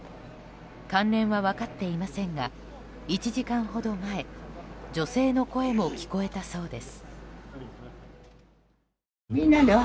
関連は分かっていませんが１時間ほど前女性の声も聞こえたそうです。